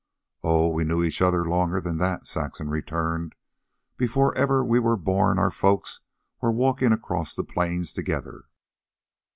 "Oh, we knew each other longer than that," Saxon returned. "Before ever we were born our folks were walkin' across the plains together."